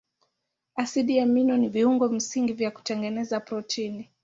Asidi amino ni viungo msingi vya kutengeneza protini.